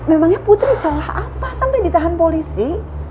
emangnya putri salah apa sampe ditahan polisi